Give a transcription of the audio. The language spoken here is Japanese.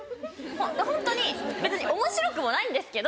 ホントに別におもしろくもないんですけど。